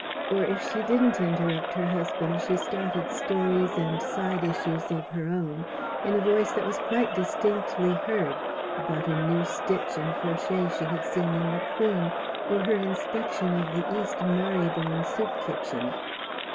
Or, if she didn't interrupt her husband she started stories and side issues of her own in a voice that was quite distinctly heard, about a new stitch in crochet she had seen in the Queen, or her inspection of the East Marrybone soup kitchen.